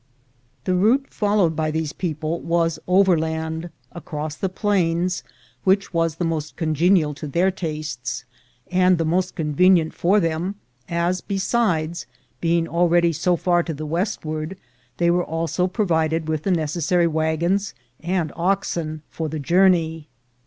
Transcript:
The route followed by these people was overland, across the plains, which was the most congenial to their tastes, and the most convenient for them, as, besides being already so far to the westward, they were also provided with the necessary wagons and oxen for the journey.